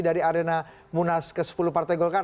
dari arena munas ke sepuluh partai golkar